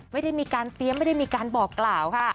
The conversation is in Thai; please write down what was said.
ไม่ได้มีการเตรียมไม่ได้มีการบอกกล่าวค่ะ